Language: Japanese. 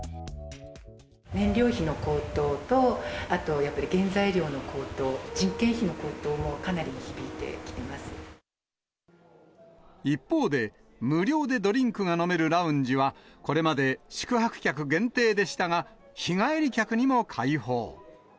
燃料費の高騰と、あとやっぱり原材料の高騰、人件費の高騰もかなり響いてきて一方で、無料でドリンクが飲めるラウンジは、これまで宿泊客限定でしたが、日帰り客にも開放。